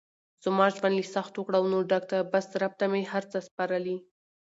زما ژوند له سختو کړاونو ډګ ده بس رب ته مې هر څه سپارلی.